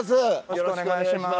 よろしくお願いします。